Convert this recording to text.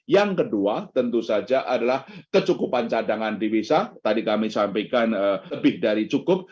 yang kedua tentu saja adalah kecukupan cadangan divisa tadi kami sampaikan lebih dari cukup